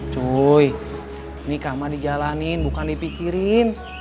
cuy nikah mah dijalanin bukan dipikirin